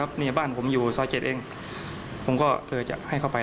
อะไรประมาณนี้